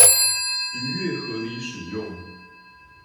逾越合理使用